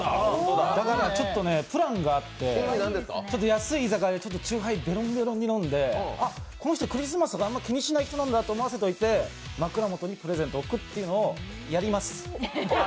だからちょっとプランがあって、安い居酒屋で酎ハイ、ベロンベロンに飲んでこの人、クリスマスとか気にしない人なんだと思わせておいて、枕元にプレゼントとかやります。